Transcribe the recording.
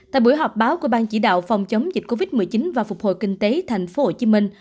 tại buổi họp báo của ban chỉ đạo phòng chống dịch covid một mươi chín và phục hồi kinh tế tp hcm